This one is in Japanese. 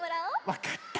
わかった。